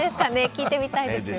聞いてみたいですね。